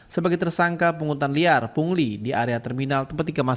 sebagai tersangka penghutan liar pungli di area terminal petikemas